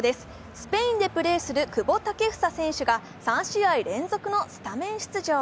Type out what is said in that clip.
スペインでプレーする久保建英選手が３試合連続のスタメン出場。